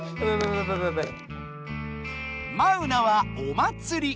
マウナは「おまつり」。